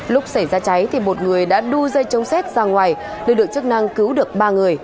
lúc xảy ra cháy thì một người đã đu dây chống xét ra ngoài lực lượng chức năng cứu được ba người